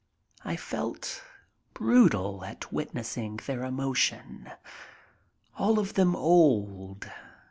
I felt brutal at witnessing their emotion. All of them old.